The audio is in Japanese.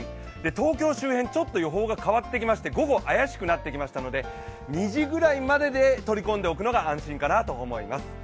東京周辺ちょっと予報が変わってきまして午後怪しくなってきましたので２時ぐらいまでで取り込んでおくのが安心かなと思います。